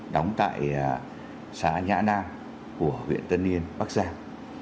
đóng tại xã nhã nam của huyện tân yên bắc giang